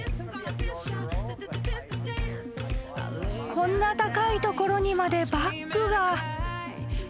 ［こんな高いところにまでバッグが］